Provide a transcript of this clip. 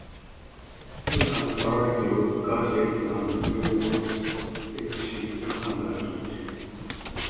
He has variety of gadgets and weapons stashed under it.